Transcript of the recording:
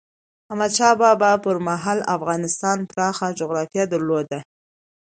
احمد شاه بابا پر مهال افغانستان پراخه جغرافیه درلوده.